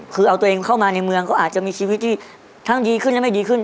คือเอาตัวเองเข้ามาในเมืองก็อาจจะมีชีวิตที่ทั้งดีขึ้นและไม่ดีขึ้น